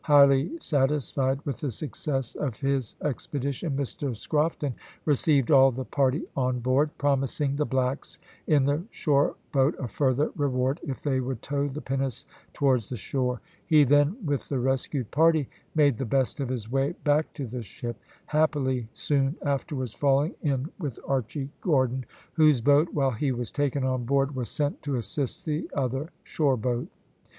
Highly satisfied with the success of his expedition, Mr Scrofton received all the party on board, promising the blacks in the shore boat a further reward if they would tow the pinnace towards the shore. He then, with the rescued party, made the best of his way back to the ship, happily soon afterwards falling in with Archy Gordon; whose boat, while he was taken on board, was sent to assist the other shore boat.